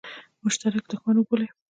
مشترک دښمن وبولي.